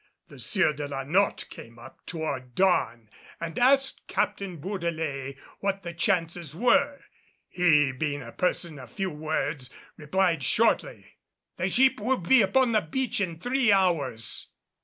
The Sieur de la Notte came up toward dawn and asked Captain Bourdelais what the chances were. He being a person of few words replied shortly, "The ship will be upon the beach in three hours."